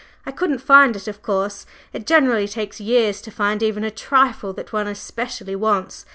I couldn't find it, of course, it generally takes years to find even a trifle that one especially wants.